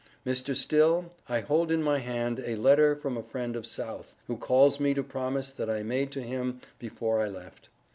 Mr. Still, I hold in my hand A letter from a friend of South, who calls me to promise that I made to him before I left.